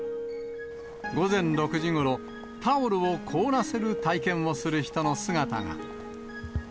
午前６時ごろ、タオルを凍らせる体験をする人の姿が。